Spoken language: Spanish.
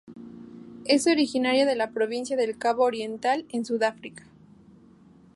Es originaria de la Provincia del Cabo Oriental en Sudáfrica.